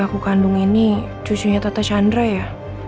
aku kandung ini cucunya tata chandra ya